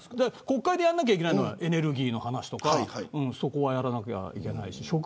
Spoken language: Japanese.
国会でやらなきゃいけないのはエネルギーの話とかそこはやらなきゃいけないし。